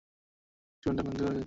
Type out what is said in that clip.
জীবনটা ক্লান্তিকর হয়ে যাচ্ছে।